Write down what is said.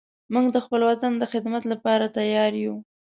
موږ د خپل وطن د خدمت لپاره تیار یو